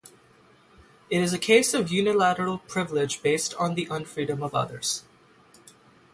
It is a case of unilateral privilege based on the unfreedom of others.